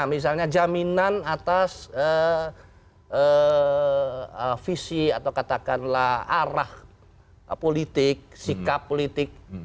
misalnya jaminan atas visi atau katakanlah arah politik sikap politik